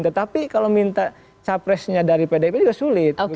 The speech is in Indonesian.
tetapi kalau minta capresnya dari pdip juga sulit